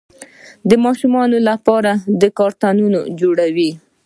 د ماشومانو لپاره کارتونونه جوړوي.